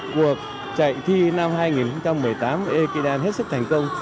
cuộc chạy thi năm hai nghìn một mươi tám của ekidam hết sức thành công